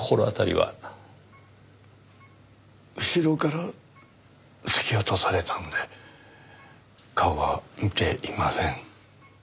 後ろから突き落とされたので顔は見ていません。